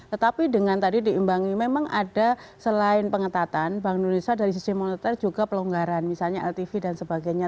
tetapi dengan tadi diimbangi memang ada selain pengetatan bank indonesia dari sisi moneter juga pelonggaran misalnya ltv dan sebagainya